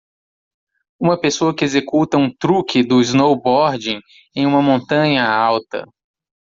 Uma pessoa que executa um truque do snowboarding em uma montanha alta.